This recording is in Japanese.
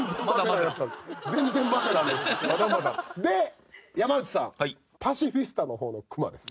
で山内さんパシフィスタの方のくまです。